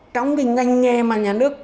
trong cái ngành nghề mà nhà nước